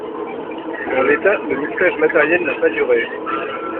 En l'état, le mixage matériel n'a pas duré.